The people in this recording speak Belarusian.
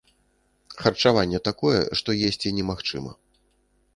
Харчаванне такое, што есці немагчыма.